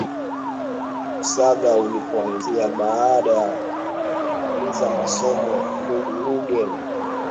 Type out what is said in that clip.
na Kusaga ulipoanzia baada ya kumaliza masomo Ndugu Ruge Mutahaba ndipo sasa Mwishoni mwa